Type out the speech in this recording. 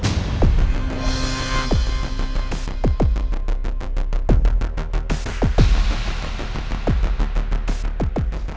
aku akan berhenti berhenti